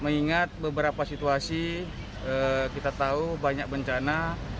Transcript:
mengingat beberapa situasi kita tahu banyak bencana